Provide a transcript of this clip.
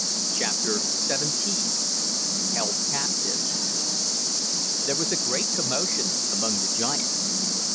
CHAPTER XVII HELD CAPTIVES There was a great commotion among the giants.